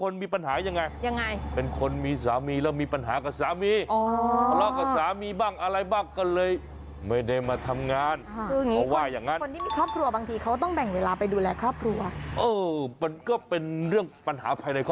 ลาออกแล้วไม่ก็มีปัญหา